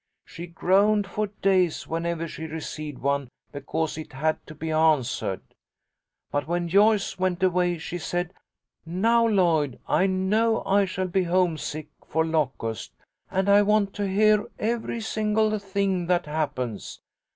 She groaned for days whenever she received one, because it had to be answered. But when Joyce went away she said, 'Now, Lloyd, I know I shall be homesick for Locust, and I want to hear every single thing that happens.